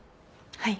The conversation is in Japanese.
はい。